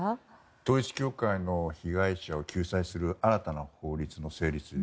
統一教会の被害者を救済する新たな法律を整備する。